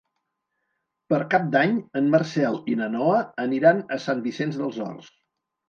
Per Cap d'Any en Marcel i na Noa aniran a Sant Vicenç dels Horts.